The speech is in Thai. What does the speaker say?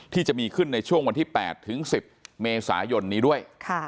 ที่จะมีขึ้นในช่วงวันที่๘ถึง๑๐เมษายนนี้ด้วย